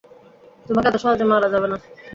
তোমাকে এত সহজে মারা যাবে না।